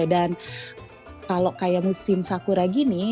dan kalau kayak musim sakura gini